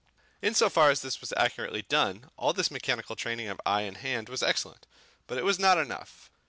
In so far as this was accurately done, all this mechanical training of eye and hand was excellent; but it was not enough.